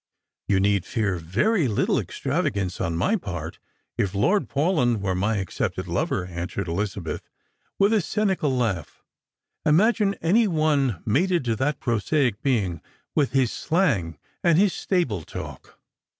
" You need fear very little extravagance on my part if Lord Paulyn were my accepted lover," answered Elizabeth, with a cynical laugh. " Imagine any one mated to that prosaic being, with his slang and his stable talk